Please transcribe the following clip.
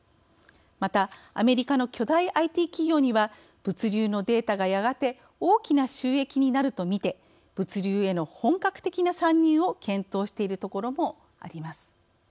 またアメリカの巨大ＩＴ企業には物流のデータがやがて大きな収益になるとみて物流への本格的な参入を検討しているところもあります。